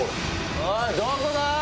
おいどこだ？